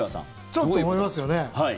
ちょっと思いますよね。